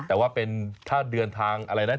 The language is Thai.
แต่ว่าเป็นถ้าเดินทางอะไรนะ